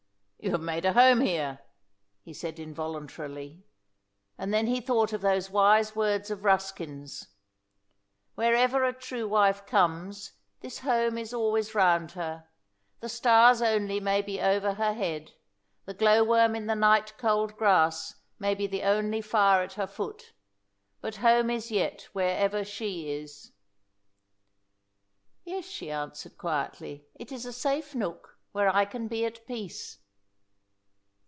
"You have made a home here," he said involuntarily; and then he thought of those wise words of Ruskin's: "Wherever a true wife comes, this home is always round her. The stars only may be over her head, the glow worm in the night cold grass may be the only fire at her foot; but home is yet wherever she is." "Yes," she answered quietly, "it is a safe nook, where I can be at peace."